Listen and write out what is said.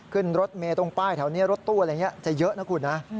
ขึ้นรถเมย์ตรงป้ายแถวนี้รถตู้อะไรอย่างนี้จะเยอะนะคุณนะ